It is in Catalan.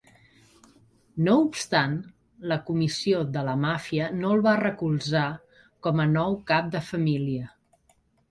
No obstant, la Comissió de la Màfia no el va recolzar com a nou cap de família.